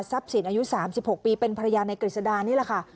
ทรัพย์ศิลป์อายุ๓๖ปีเป็นภรรยาในเกษฎานี้ล่ะค่ะ